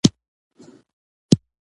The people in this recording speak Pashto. خو ما ویل په توبو مې دې ترې توبه وي.